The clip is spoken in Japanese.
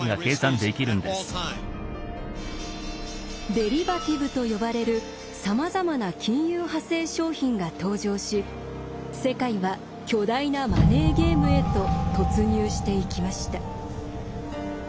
「デリバティブ」と呼ばれるさまざまな金融派生商品が登場し世界は巨大なマネーゲームへと突入していきました。